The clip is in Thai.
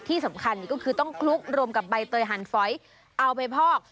ที่สำคัญก็คือต้องคลุกรวมกับใบเตยหันฝอยเอาไปพอก